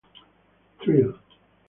Thrill.